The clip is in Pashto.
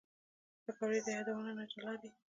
پکورې د یادونو نه جلا نه دي